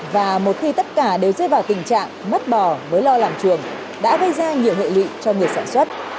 và một khi tất cả đều dây vào tình trạng mất bò mới lo làm trường đã gây ra nhiều hệ lị cho người sản xuất